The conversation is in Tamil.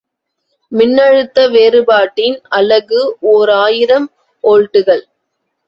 மின்னழுத்த வேறுபாட்டின் அலகு ஓர் ஆயிரம் ஒல்ட்டுகள்.